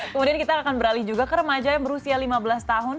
kemudian kita akan beralih juga ke remaja yang berusia lima belas tahun